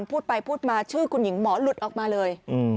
พูดไปพูดมาชื่อคุณหญิงหมอหลุดออกมาเลย